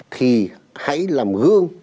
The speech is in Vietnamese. thì hãy làm gương